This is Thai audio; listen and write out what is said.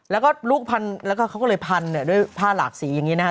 แล้วก็ลูกพันแล้วก็เขาก็เลยพันเนี่ยด้วยผ้าหลากสีอย่างนี้นะครับ